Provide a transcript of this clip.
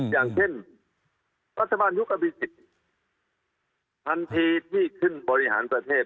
อย่างเช่นรัฐบาลยุคอบี๑๐ทันทีที่ขึ้นบริหารประเทศ